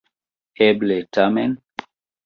Eble, tamen?